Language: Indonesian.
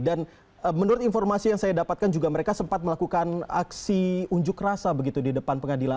dan menurut informasi yang saya dapatkan juga mereka sempat melakukan aksi unjuk rasa begitu di depan pengadilan